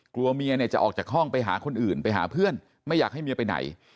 กลัวเมียเนี่ยจะออกจากห้องไปหาคนอื่นไปหาเพื่อนไม่อยากให้เมียไปไหน